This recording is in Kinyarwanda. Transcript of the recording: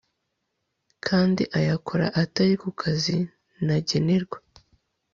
kandi ayakora atari ku kazi ntagenerwa